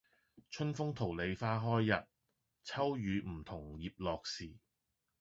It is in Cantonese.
春風桃李花開日，秋雨梧桐葉落時。